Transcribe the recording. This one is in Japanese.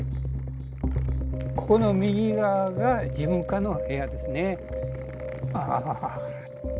ここの右側が事務課の部屋ですね。